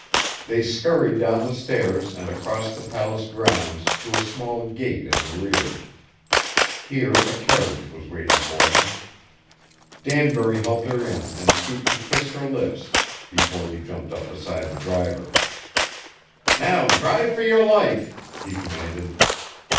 They scurried down the stairs and across the palace grounds to a small gate in the rear. Here a carriage was waiting for them. Danbury helped her in and stooped to kiss her lips before he jumped up beside the driver. "Now drive for your life!" he commanded.